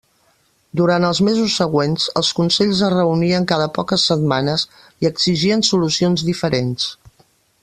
Durant els mesos següents, els consells es reunien cada poques setmanes, i exigien solucions diferents.